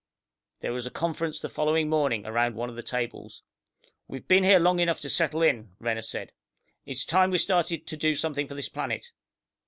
There was a conference the following morning around one of the tables. "We've been here long enough to settle in," Renner said. "It's time we started in to do something for this planet."